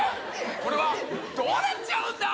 これは、どうなっちゃうんだ。